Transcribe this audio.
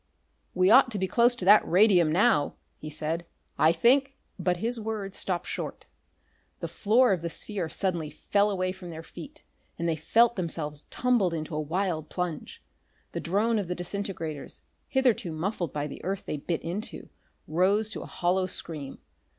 "We ought to be close to that radium, now," he said. "I think " But his words stopped short. The floor of the sphere suddenly fell away from their feet, and they felt themselves tumbled into a wild plunge. The drone of the disintegrators, hitherto muffled by the earth they bit into, rose to a hollow scream.